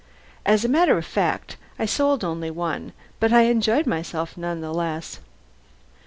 As a matter of fact, I sold only one, but I enjoyed myself none the less.